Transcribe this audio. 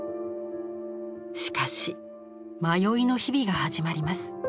しかし迷いの日々が始まります。